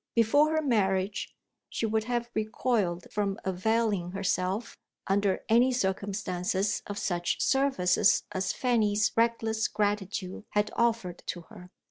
Before her marriage, she would have recoiled from availing herself, under any circumstances, of such services as Fanny's reckless gratitude had offered to her.